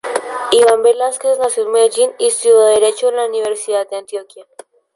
Iván Velásquez nació en Medellín y estudió derecho en la Universidad de Antioquia.